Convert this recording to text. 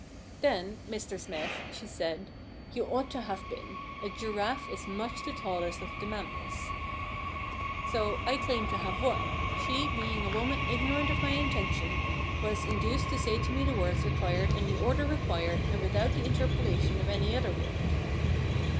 *" Then, Mr Smythe," ' she said, " you ought to have been. A giraffe is much the tallest of the mammals." * So I claim to have won. She, being a woman ignorant of my intention, was induced to say to me the words required in the order required and without the interpolation of any other word.'